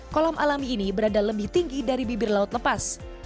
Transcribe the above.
kolam alami ini berada lebih tinggi dari bibir laut lepas